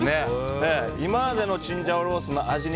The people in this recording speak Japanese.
今までのチンジャオロースーの味に